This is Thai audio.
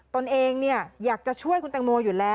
ตนเองอยากจะช่วยคุณแตงโมอยู่แล้ว